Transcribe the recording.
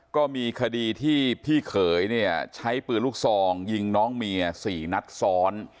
ก็มีคดีที่พี่เขยเนี่ยใช้ปืนลูกซองยิงน้องเมีย๔นัดซ้อน